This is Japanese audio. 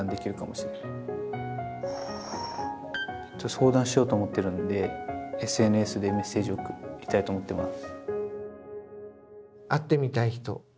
相談しようと思ってるんでＳＮＳでメッセージを送りたいと思ってます。